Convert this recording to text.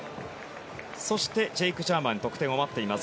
そして、ジェイク・ジャーマン得点を待っています。